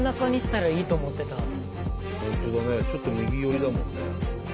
本当だねちょっと右寄りだもんね。